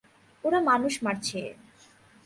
ওরা মানুষ মারছে।